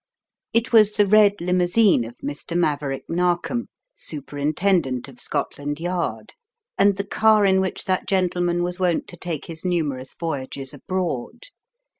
It was the red limousine of Mr. Maverick Narkom, Superintendent of Scot land Yard and the car in which that gentleman was wont to take his numerous voyages abroad.